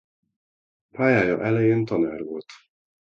Pályája elején tanár volt.